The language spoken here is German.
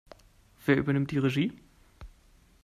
Wer übernimmt die Regie?